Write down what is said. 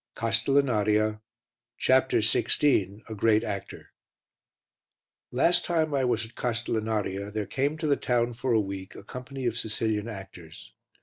CASTELLINARIA CHAPTER XVI A GREAT ACTOR Last time I was at Castellinaria there came to the town for a week a company of Sicilian actors.